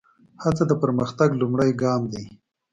هڅه د پرمختګ لومړی ګام دی.